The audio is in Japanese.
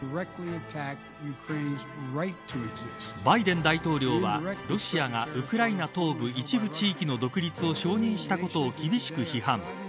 バイデン大統領は、ロシアがウクライナ東部一部地域の独立を承認したことを厳しく批判。